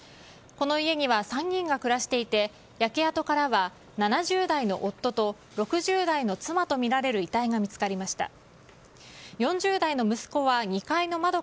この家には３人が暮らしていて焼け跡からは７０代の夫と６０代の妻とみられる遺体が見つかりました。